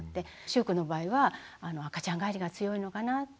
しゅうくんの場合は赤ちゃん返りが強いのかなって。